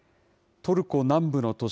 トルコ南部の都市